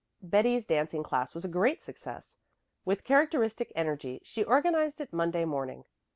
Betty's dancing class was a great success. With characteristic energy she organized it Monday morning.